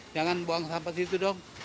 jangan buang sampah di situ dong